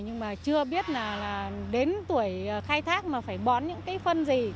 nhưng mà chưa biết là đến tuổi khai thác mà phải bón những cái phân gì